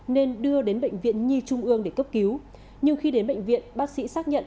nên đưa đến bệnh viện nhi trung ương để cấp cứu nhưng khi đến bệnh viện bác sĩ xác nhận